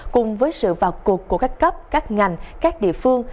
cùng với sự vào cuộc của các cấp các ngành các địa phương